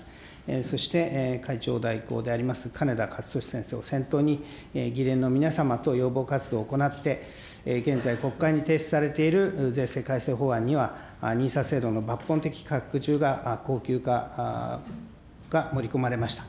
そして会長代行でありますかねだかつとし先生を先頭に、議連の皆様と要望活動を行って、現在、国会に提出されている税制改正法案には、ＮＩＳＡ制度の抜本的拡充が、恒久化が盛り込まれました。